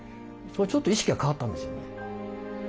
ちょっと意識が変わったんですよね。